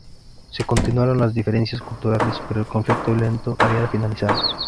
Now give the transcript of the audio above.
Sí continuaron las diferencias culturales pero el conflicto violento había finalizado.